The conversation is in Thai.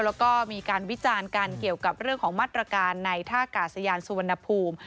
แล้วก็มีการวิจารณ์กันเกี่ยวกับเรื่องของมาตรการในท่ากาศยานสุวรรณภูมิ